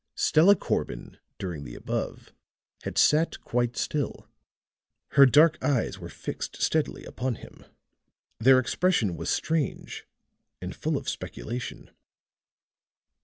Stella Corbin during the above had sat quite still; her dark eyes were fixed steadily upon him; their expression was strange and full of speculation.